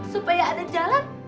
supaya ada jalan